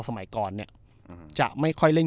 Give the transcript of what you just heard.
สมัยก่อนเนี่ยจะไม่ค่อยเล่น